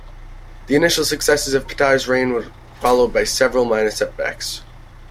The initial successes of Petar's reign were followed by several minor setbacks.